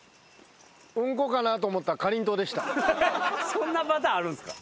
そんなパターンあるんすか。